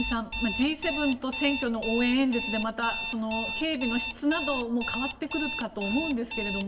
Ｇ７と選挙の応援演説でまた警備の質なども変わってくるかと思うんですが。